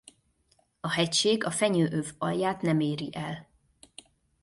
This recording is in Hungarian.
A hegység a fenyő öv alját nem éri el.